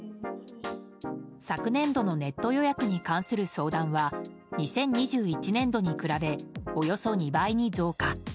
昨年度のネット予約に関する相談は２０２１年度に比べおよそ２倍に増加。